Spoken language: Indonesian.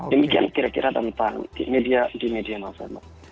demikian kira kira tentang media di media masyarakat